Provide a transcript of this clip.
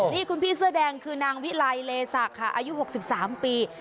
นี่คุณพี่เสื้อแดงคือนางวิไลเลศักดิ์ค่ะอายุ๖๓ปี